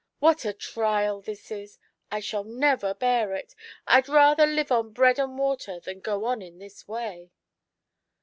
What a trial this is ! I never shall bear it. I'd rather live on bread and water than go on in this way